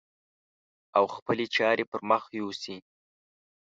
او خپلې چارې پر مخ يوسي.